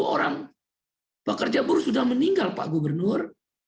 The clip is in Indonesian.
dua puluh orang pekerja buruh sudah meninggal pak gubernur